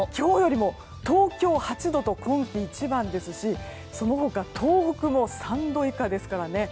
東京８度と今季一番ですしその他、東北も３度以下ですからね。